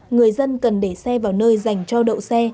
người dân cần để xe vào nơi dành cho đậu xe